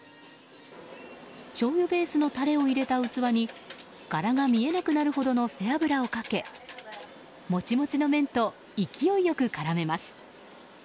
しょうゆベースのタレを入れた器に柄が見えなくなるほどの背脂をかけモチモチの麺と勢いよく絡めます。